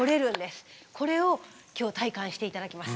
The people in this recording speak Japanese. これを今日体感して頂きます。